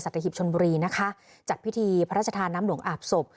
สัตวิทย์หิบชนบุรีจัดพิธีพระราชธาน้ำหน่วงอาบศพ